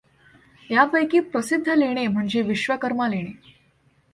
यांपैकी प्रसिद्ध लेणे म्हणजे विश्वकर्मा लेणे.